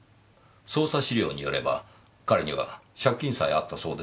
捜査資料によれば彼には借金さえあったそうですよ。